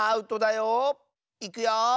いくよ。